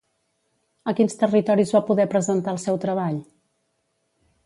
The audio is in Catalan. A quins territoris va poder presentar el seu treball?